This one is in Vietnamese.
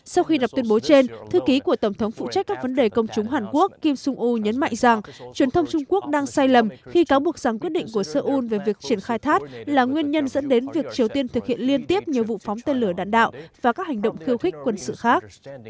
sau khi lập tuyên bố trên thư ký của tổng thống phụ trách các vấn đề công chúng hàn quốc kim sung u nhấn mạnh rằng truyền thông trung quốc đang sai lầm khi cáo buộc rằng quyết định của seoul về việc triển khai thác là nguyên nhân dẫn đến việc triều tiên thực hiện liên tiếp nhiều vụ phóng tên lửa đạn đạo và các hành động khiêu khích quân sự khác